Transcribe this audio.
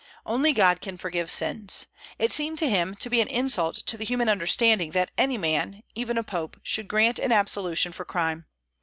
Only God can forgive sins. It seemed to him to be an insult to the human understanding that any man, even a pope, should grant an absolution for crime.